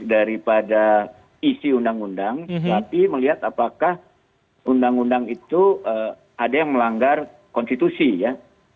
daripada isi undang undang tapi melihat apakah undang undang itu ada yang melanggar konstitusi ya